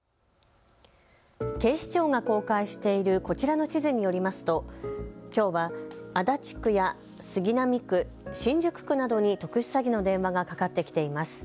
警視庁が公開しているこちらの地図によりますときょうは足立区や杉並区、新宿区などに特殊詐欺の電話がかかってきています。